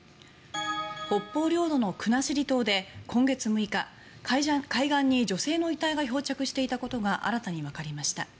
北方領土の国後島で今月６日海岸に女性の遺体が漂着していたことが新たにわかりました。